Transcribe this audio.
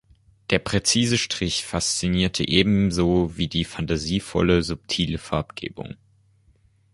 Der präzise Strich faszinierte ebenso wie die fantasievolle, subtile Farbgebung.